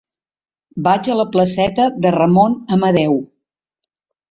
Vaig a la placeta de Ramon Amadeu.